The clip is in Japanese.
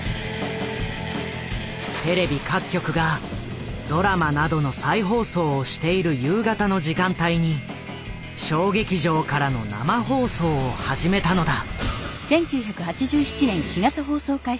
テレビ各局がドラマなどの再放送をしている夕方の時間帯に小劇場からの生放送を始めたのだ。